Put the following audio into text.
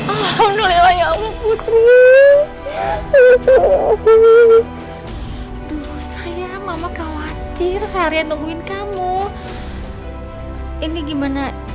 alhamdulillah ya allah putri aduh saya mama khawatir seharian nungguin kamu ini gimana